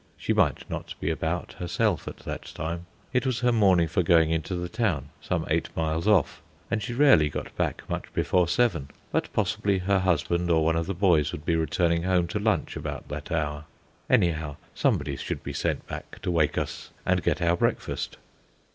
She might not be about herself at that time; it was her morning for going into the town, some eight miles off, and she rarely got back much before seven; but, possibly, her husband or one of the boys would be returning home to lunch about that hour. Anyhow, somebody should be sent back to wake us and get our breakfast.